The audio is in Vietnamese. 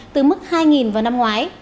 từ mức hai vào năm ngoái